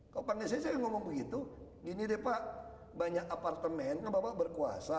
kok panggil saya ngomong begitu gini deh pak banyak apartemen bapak berkuasa